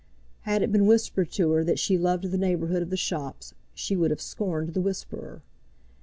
Had it been whispered to her that she loved the neighbourhood of the shops, she would have scorned the whisperer.